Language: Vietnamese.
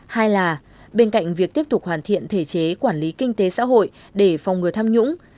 hai là bên cạnh việc tiếp tục hoàn thiện thể chế quản lý kinh tế xã hội để phòng ngừa tham nhũng